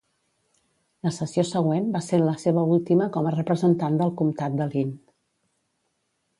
La sessió següent va ser la seva última com a representant del comtat de Linn.